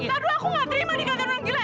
taduh aku gak terima nih kata orang gila